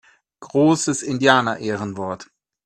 Großes Indianerehrenwort!